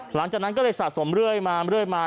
หลังจากนั้นก็เลยสะสมเรื่อยมา